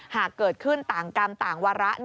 หากเกิดขึ้นต่างกรรมต่างวาระ